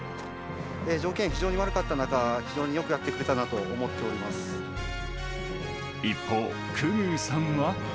条件が非常に悪かった中、非常によくやってくれたなと思っ一方、久々宇さんは。